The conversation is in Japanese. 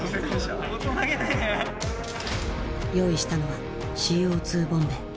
用意したのはＣＯ２ボンベ。